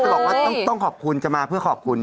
เอิ้ยต้องควรมาเพื่อขอบคุณ